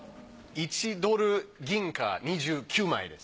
１ドル銀貨２９枚です。